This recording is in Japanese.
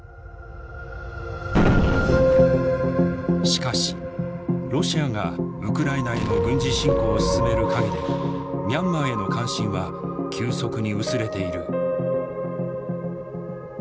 しかしロシアがウクライナへの軍事侵攻を進める陰でミャンマーへの関心は急速に薄れている。